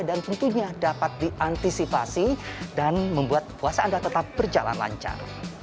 dan tentunya dapat diantisipasi dan membuat puasa anda tetap berjalan lancar